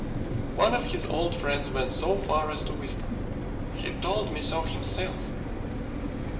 One of his old friends went so far as to whisper, "He told me so himself."